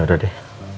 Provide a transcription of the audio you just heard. ya udah deh